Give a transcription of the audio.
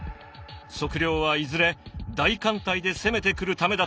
測量はいずれ大艦隊で攻めてくるためだと力説。